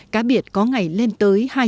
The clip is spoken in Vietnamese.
cá biệt có ngày lên tới